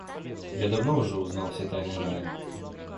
Я давно уже узнал все тайны рая.